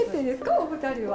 お二人は。